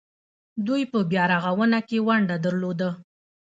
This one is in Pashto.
دوی په بیارغونه کې ونډه درلوده.